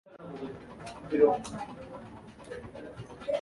The Ottoman offensive was viewed by Armenians with foreboding.